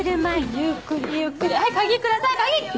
ゆっくりゆっくりはい鍵ください鍵！